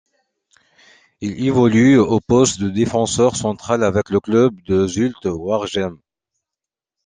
Il évolue au poste de défenseur central avec le club de Zulte Waregem.